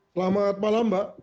selamat malam mbak